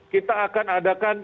kita akan adakan